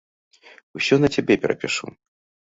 Усё на цябе перапішу.